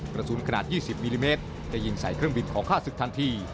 กระสุนขนาด๒๐มิลลิเมตรได้ยิงใส่เครื่องบินของฆ่าศึกทันที